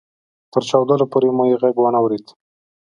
تر چاودلو پورې مو يې ږغ وانه اورېد.